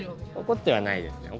怒ってはないですね。